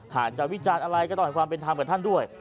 หากจะวิจารณ์อะไรก็ต้องให้ความเป็นธรรมกับท่านด้วย